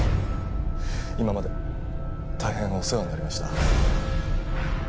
今まで大変お世話になりました。